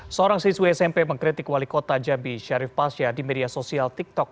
seorang siswa smp mengkritik wali kota jambi syarif pasya di media sosial tiktok